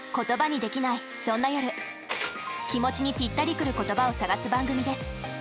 気持ちにぴったりくる言葉を探す番組です。